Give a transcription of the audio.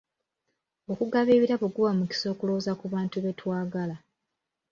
Okugaba ebirabo guba mukisa okulowooza ku bantu betwagala.